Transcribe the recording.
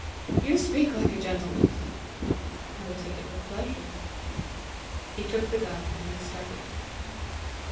you speak like a gentleman!" "I will take it with pleasure." He took the gun, and they started.